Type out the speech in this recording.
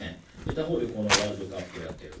他方でこのワールドカップをやっている。